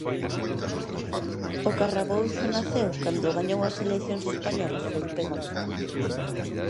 O Carrabouxo naceu cando gañou as eleccións españolas Felipe González.